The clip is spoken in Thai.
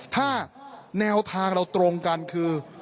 ถ้าแนวทางเราตรงกันคือ